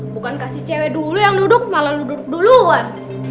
bukan kasih cewek dulu yang duduk malah duduk duluan